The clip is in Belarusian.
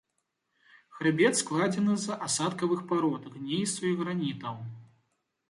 Хрыбет складзены з асадкавых парод, гнейсу і гранітаў.